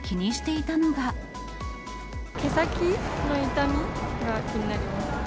毛先の傷みが気になります。